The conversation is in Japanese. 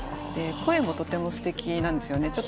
声もとてもすてきなんですよね。